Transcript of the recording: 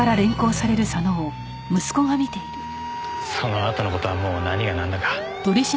そのあとの事はもう何がなんだか。